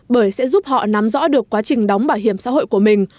bởi sẽ giúp họ nắm rõ được quá trình đóng bảo hiểm xã hội của mình